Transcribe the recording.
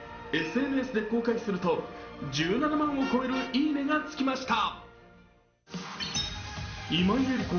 ＳＮＳで公開すると１７万を超えるいいねがつきました。